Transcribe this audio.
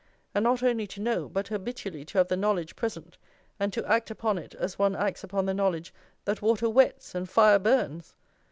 and not only to know, but habitually to have the knowledge present, and to act upon it as one acts upon the knowledge that water wets and fire burns!